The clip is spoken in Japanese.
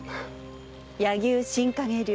“柳生新陰流”